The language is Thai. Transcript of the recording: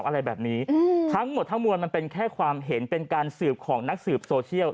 อะไรแบบนี้ทั้งหมดทั้งมวลมันเป็นแค่ความเห็นเป็นการสืบของนักสืบโซเชียล